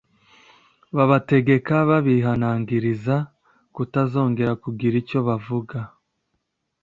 babategeka babihanangiriza kutazongera kugira icyo bavuga